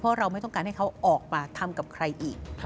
เพราะเราไม่ต้องการให้เขาออกมาทำกับใครอีก